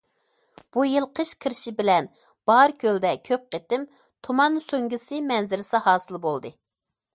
بۇ يىل قىش كىرىشى بىلەن باركۆلدە كۆپ قېتىم تۇمان سۆڭگىسى مەنزىرىسى ھاسىل بولدى.